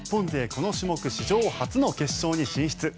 この種目史上初の決勝に進出。